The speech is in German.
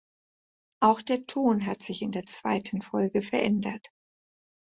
Auch der Ton hat sich in der zweiten Folge verändert.